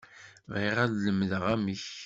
Bɣiɣ ad lemdeɣ amek.